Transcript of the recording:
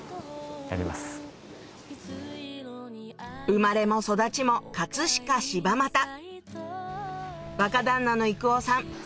生まれも育ちも飾・柴又若旦那の幾生さん